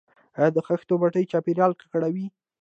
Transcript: آیا د خښتو بټۍ چاپیریال ککړوي؟